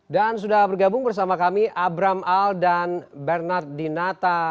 dan sudah bergabung bersama kami abram al dan bernard dinata